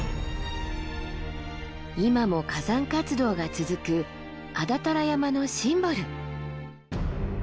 今も火山活動が続く安達太良山のシンボル。